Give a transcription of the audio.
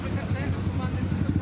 baru juga semenit